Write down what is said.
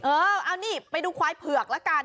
เออเอานี่ไปดูควายเผือกละกัน